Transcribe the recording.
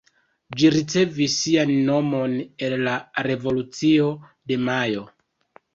Ĝi ricevis sian nomon el la Revolucio de Majo.